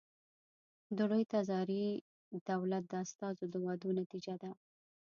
د لوی تزاري دولت د استازو د وعدو نتیجه ده.